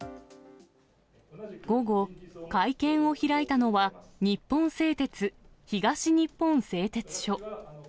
午後、会見を開いたのは、日本製鉄東日本製鉄所。